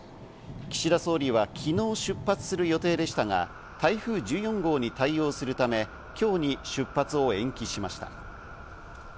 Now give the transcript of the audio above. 岸田総理は昨日出発予定でしたが、台風１４号に対応するため、今日に出発を延期しました。